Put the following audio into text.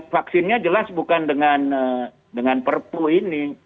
vaksinnya jelas bukan dengan perpu ini